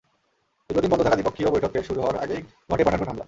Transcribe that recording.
দীর্ঘদিন বন্ধ থাকা দ্বিপক্ষীয় বৈঠক ফের শুরু হওয়ার আগেই ঘটে পাঠানকোট হামলা।